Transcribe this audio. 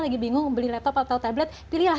lagi bingung membeli laptop atau tablet pilihlah